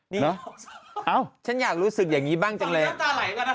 นี่เนอะเอ้าฉันอยากรู้สึกอย่างนี้บ้างจังเลย